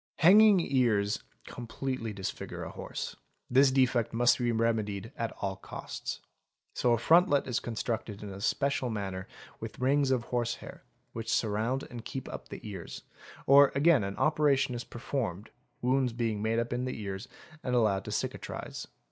Hanging ears completely disfigure a horse, this defect must be remedi ed at all costs: so a frontlet is constructed in a special manner with rings of horse hair, which surround and keep up the ears: or again an operation is performed, wounds being made in the ears and allowed to cicatrise.